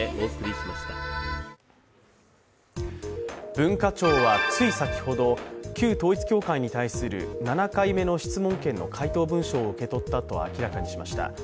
文化庁はつい先ほど、旧統一教会に対する７回目の質問権の回答文書を受け取ったと明らかにしました。